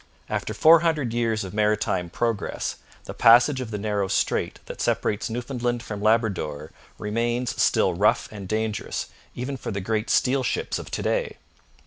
After four hundred years of maritime progress, the passage of the narrow strait that separates Newfoundland from Labrador remains still rough and dangerous, even for the great steel ships of to day.